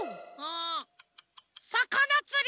んさかなつり！